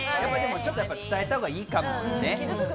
ちょっと伝えたほうがいいかもね。